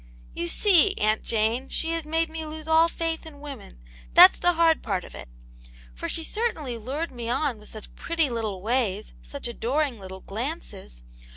"^ You see, Aunt Jane, she has made me lose all faith in women ; that's the hard part of it. For she certainly lured me on with such pretty little ways, such adoring little glances